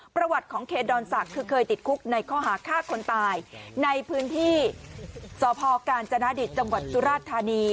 ประวัติของเคดอนศักดิ์คือเคยติดคุกในข้อหาฆ่าคนตายในพื้นที่สพกาญจนาดิตจังหวัดสุราชธานี